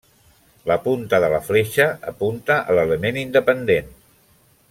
La punta de la fletxa apunta a l'element independent.